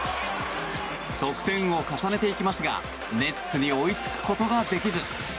得点を重ねていきますがネッツに追いつくことができず。